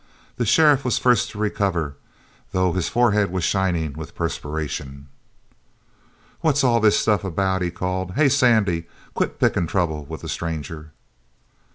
The sheriff was the first to recover, though his forehead was shining with perspiration. "What's all this stuff about?" he called. "Hey, Sandy, quit pickin' trouble with the stranger!"